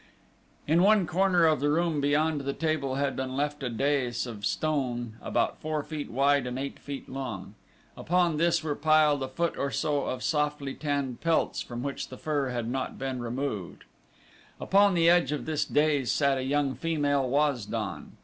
In one corner of the room beyond the table had been left a dais of stone about four feet wide and eight feet long. Upon this were piled a foot or so of softly tanned pelts from which the fur had not been removed. Upon the edge of this dais sat a young female Waz don.